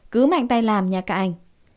cứ mạnh tay làm nha các anh